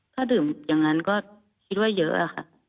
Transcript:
ถ้าดื่มอย่างนั้นก็คิดว่าเยอะอะค่ะ